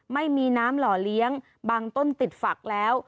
ไม่มีน้ำหล่อเลี้ยงบางต้นติดฝักแล้ว